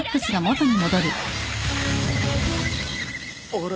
あれ？